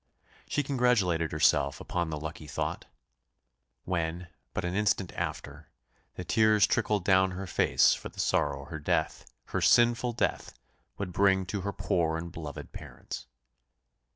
She congratulated herself upon the lucky thought; when, but an instant after, the tears trickled down her face for the sorrow her death, her sinful death, would bring to her poor and beloved parents.